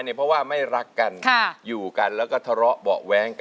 ด้านล่างเขาก็มีความรักให้กันนั่งหน้าตาชื่นบานมากเลยนะคะ